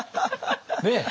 ねえ？